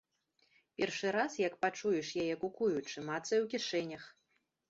Першы раз, як пачуеш яе кукуючы, мацай у кішэнях.